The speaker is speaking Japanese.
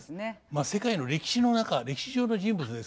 まあ世界の歴史の中歴史上の人物ですからね。